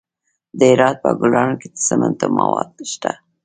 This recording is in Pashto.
د هرات په ګلران کې د سمنټو مواد شته.